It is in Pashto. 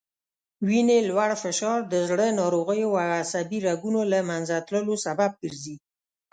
وینې لوړ فشار د زړه ناروغیو او عصبي رګونو له منځه تللو سبب ګرځي